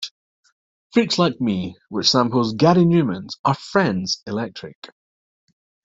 "Freak like Me", which samples Gary Numan's "Are 'Friends' Electric?